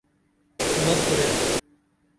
مہ کُرے!